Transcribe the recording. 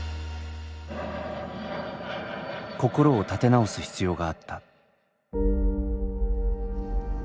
心を立て直す必要があった。